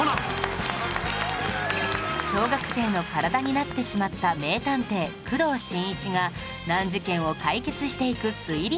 小学生の体になってしまった名探偵工藤新一が難事件を解決していく推理漫画